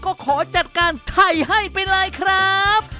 ก็ขอจัดการไข่ให้ไปเลยครับ